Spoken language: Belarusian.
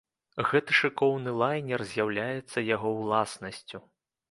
Гэты шыкоўны лайнер з'яўляецца яго ўласнасцю.